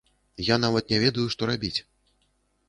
Я нават не ведаю, што рабіць.